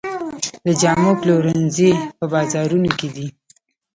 د جامو پلورنځي په بازارونو کې دي